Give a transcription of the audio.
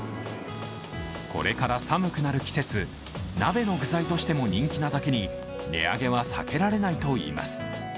これから寒くなる季節、鍋の具材としても人気なだけに値上げは避けられないといいます。